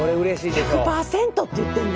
１００％って言ってんで。